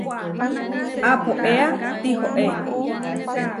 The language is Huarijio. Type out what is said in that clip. Apoéa tihoé.